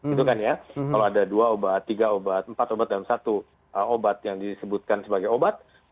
itu kan ya kalau ada dua obat tiga obat empat obat dalam satu obat yang disebutkan sebagai obat